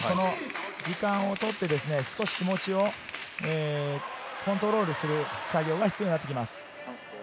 時間を取って、少し気持ちをコントロールする作業が必要になってきます。